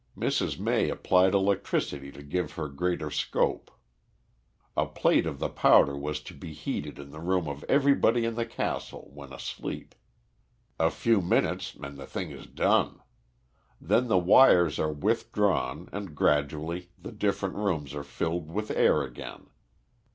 Mrs. May applied electricity to give her greater scope. A plate of the powder was to be heated in the room of everybody in the castle when asleep. "A few minutes and the thing is done. Then the wires are withdrawn and gradually the different rooms fill with air again.